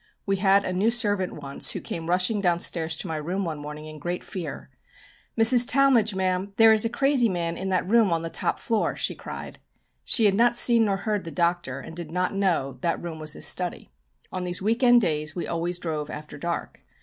We had a new servant once who came rushing downstairs to my room one morning in great fear. "Mrs. Talmage, ma'am, there is a crazy man in that room on the top floor," she cried. She had not seen nor heard the Doctor, and did not know that that room was his study. On these weekend days we always drove after dark.